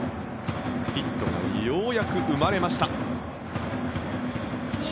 ヒットがようやく生まれました。